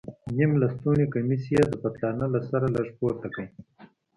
نيم لستوڼى کميس يې د پتلانه له سره لږ پورته کړ.